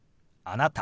「あなた」。